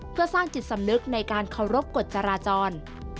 เพื่อสร้างจิตสำนึกในการเคารพกฎจราจร